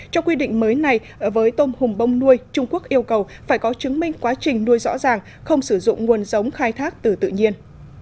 trong quy định mới này với tôm hùm bông nuôi trung quốc yêu cầu phải có chứng minh quá trình nuôi rõ ràng không sử dụng nguồn giống khai thác từ tự nhiên